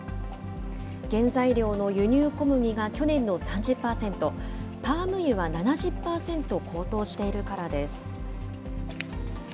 原材料の輸入小麦が去年の３０％、パーム油は７０％高騰しているからです。